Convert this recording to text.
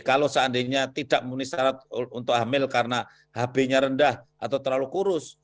kalau seandainya tidak memenuhi syarat untuk hamil karena hb nya rendah atau terlalu kurus